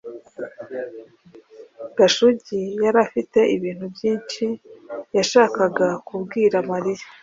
Gashugi yari afite ibintu byinshi yashakaga kubwira Mariya.